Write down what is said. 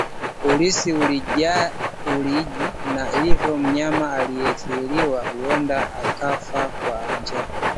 Huathiri ulaji na hivyo mnyama aliyeathiriwa huenda akafa kwa njaa